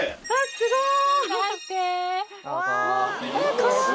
すごい！